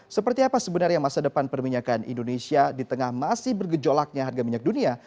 seperti apa sebenarnya masa depan perminyakan indonesia di tengah masih bergejolaknya harga minyak dunia